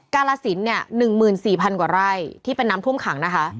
กาลสินเนี้ยหนึ่งหมื่นสี่พันกว่าไร่ที่เป็นน้ำท่วมขังนะคะ